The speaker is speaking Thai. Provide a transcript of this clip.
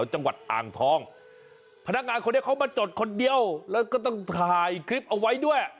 จังหวัดอ่างทองพนักงานคนนี้เขามาจดคนเดียวแล้วก็ต้องถ่ายคลิปเอาไว้ด้วย